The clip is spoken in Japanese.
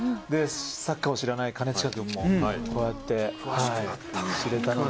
サッカーを知らない兼近君もこうやって知れたので。